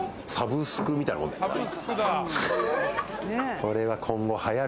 これは。